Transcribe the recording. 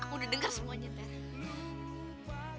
aku udah denger semuanya ter